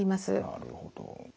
なるほど。